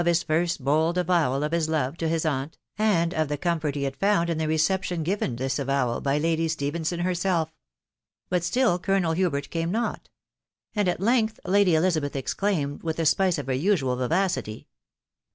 hia first bold avowal of his love to hia sent, and ef the comfort he had found in the re eeptieai given; to tin* avowal by Lady Stephenson herself; .... bet still Coianei Hubert came not; and at length Lady Eli zabeth exclaimed^, with a. spice ef her usual vivacity